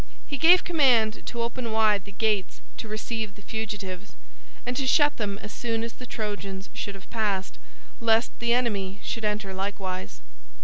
He gave command to open wide the gates to receive the fugitives, and to shut them as soon as the Trojans should have passed, lest the enemy should enter likewise.